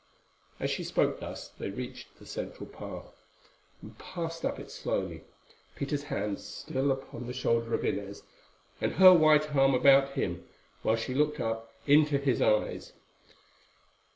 As she spoke thus they reached the central path, and passed up it slowly, Peter's hand still upon the shoulder of Inez, and her white arm about him, while she looked up into his eyes.